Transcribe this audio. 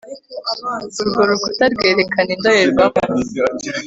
urwo rukuta rwerekana indorerwamo